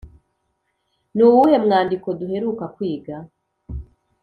ni uwuhe mwandiko duheruka kwiga?